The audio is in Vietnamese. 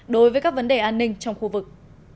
đối với các vấn đề an ninh trong khu vực